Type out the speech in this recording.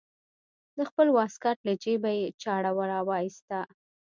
د خپل واسکټ له جيبه يې چاړه راوايسته.